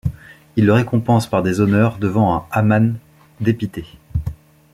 Il le récompense par des honneurs devant un Haman dépité.